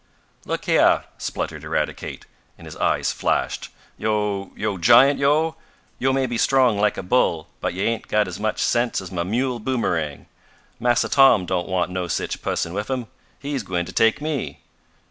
"Look heah!" spluttered Eradicate, and his eyes flashed. "Yo' yo' giant yo' yo' may be strong laik a bull, but ya' ain't got as much sense as mah mule, Boomerang! Massa Tom don't want no sich pusson wif him. He's gwine to take me."